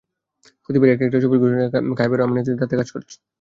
প্রতিবারই একেকটা ছবির ঘোষণা আসে, খবর বেরোয় আমি নাকি তাতে কাজ করছি।